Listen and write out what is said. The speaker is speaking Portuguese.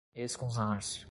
escusar-se